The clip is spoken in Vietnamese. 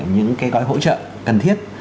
những cái gói hỗ trợ cần thiết